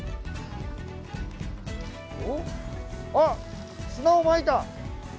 おっ？あっ砂をまいた！